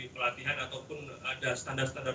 pelatihan ataupun ada standar standar